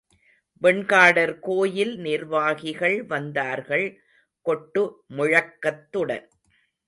வெண்காடர் கோயில் நிர்வாகிகள் வந்தார்கள் கொட்டு முழக்கத்துடன்.